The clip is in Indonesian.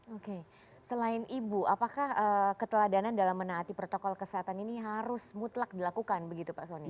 oke selain ibu apakah keteladanan dalam menaati protokol kesehatan ini harus mutlak dilakukan begitu pak soni